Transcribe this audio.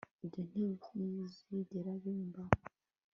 ibyontibizigera bimbaho